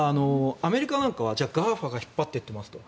アメリカなんかはじゃあ、ＧＡＦＡが引っ張っていってますと。